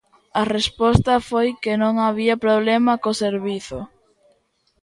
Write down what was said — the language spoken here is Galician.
A resposta foi que non había problema co servizo.